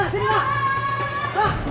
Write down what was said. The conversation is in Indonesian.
sebagai kalian pergi